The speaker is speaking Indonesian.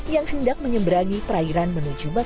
yang hendak menyeberangi perairan menuju batu